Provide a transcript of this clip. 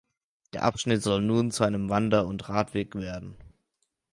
Der Abschnitt soll nun zu einem Wander- und Radweg werden.